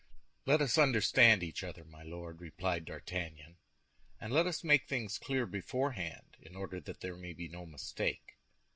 "Let us understand each other, my Lord," replied D'Artagnan, "and let us make things clear beforehand in order that there may be no mistake.